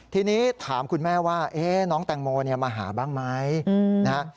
ทีนี้ถามคุณแม่ว่าน้องแตงโมมาหาบ้างไหมนะฮะ